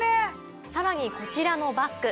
さらにこちらのバッグ